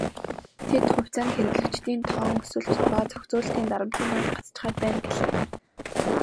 Тэд "хувьцаа нь хэрэглэгчдийн тоон өсөлт ба зохицуулалтын дарамтын дунд гацчихаад байна" гэлээ.